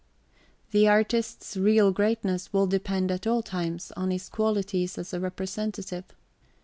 The artist's real greatness will depend at all times on his qualities as a representative.